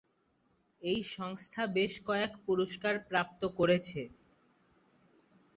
এই সংস্থা বেশ কয়েক পুরস্কার প্রাপ্ত করেছে।